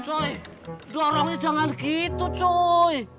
cuy dorongnya jangan gitu cuy